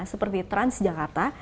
seperti trans jakarta